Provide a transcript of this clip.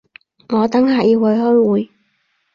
我等下要去開會